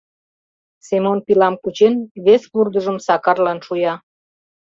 — Семон пилам кучен вес вурдыжым Сакарлан шуя.